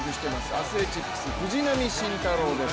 アスレチックス・藤浪晋太郎です。